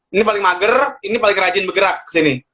ini paling mager ini paling rajin bergerak kesini